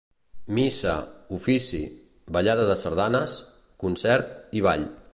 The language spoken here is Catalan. Missa, ofici, ballada de sardanes, concert i ball.